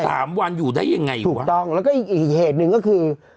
สามวันอยู่ได้ยังไงถูกต้องแล้วก็อีกเหตุหนึ่งก็คือ